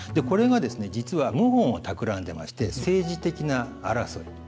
これがですね実は謀反をたくらんでまして政治的な争い